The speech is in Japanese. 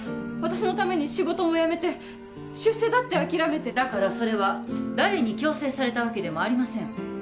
私のために仕事も辞めて出世だって諦めてだからそれは誰に強制されたわけでもありません